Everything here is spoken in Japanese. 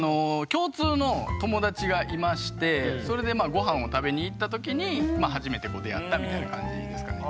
共通の友達がいましてそれでごはんを食べに行った時に初めて出会ったみたいな感じですかね。